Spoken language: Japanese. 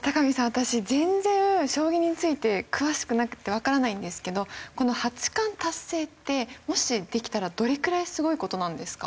私全然将棋について詳しくなくてわからないんですけどこの八冠達成ってもしできたらどれくらいすごい事なんですか？